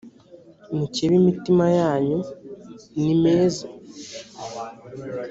mukebe imitima yanyu nimeze